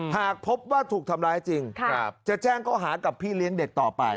หากพบว่าถูกทำร้ายจริงจะแจ้งเขาหากับพี่เลี้ยงเด็กต่อไป